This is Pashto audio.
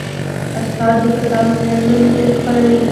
استاد د کتاب مینه زړونو ته انتقالوي.